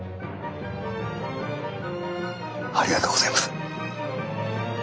ありがとうございます。